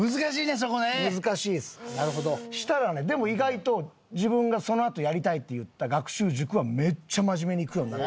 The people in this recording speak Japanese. そしたらねでも意外と自分がそのあとやりたいって言った学習塾はめっちゃ真面目に行くようになって。